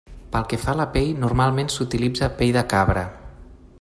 Pel que fa a la pell, normalment s'utilitza pell de cabra.